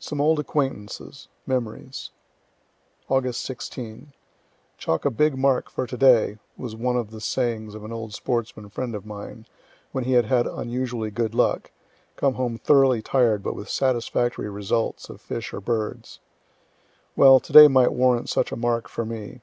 SOME OLD ACQUAINTANCES MEMORIES Aug. 16. "Chalk a big mark for today," was one of the sayings of an old sportsman friend of mine, when he had had unusually good luck come home thoroughly tired, but with satisfactory results of fish or birds. Well, to day might warrant such a mark for me.